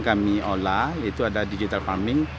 kami olah itu ada digital farming